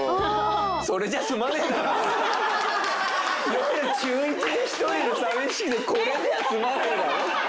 夜中１で一人で寂しくてこれじゃ済まねえだろ！